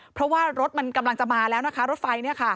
เพราะว่ารถมันกำลังจะมาแล้วนะคะรถไฟ